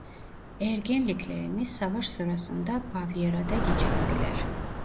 Ergenliklerini savaş sırasında Bavyera'da geçirdiler.